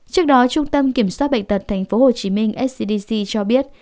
trước đó trung tâm kiểm soát bệnh tật tp hcm scdc cho biết